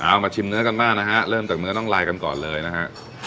เอามาชิมเนื้อกันบ้างนะฮะเริ่มจากเนื้อต้องลายกันก่อนเลยนะฮะ